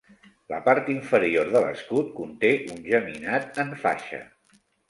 La part inferior de l'escut conté un geminat en faixa.